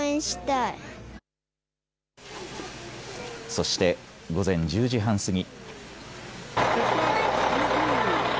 そして午前１０時半過ぎ。